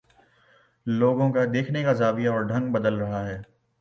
لوگوں کا دیکھنے کا زاویہ اور ڈھنگ بدل رہا ہے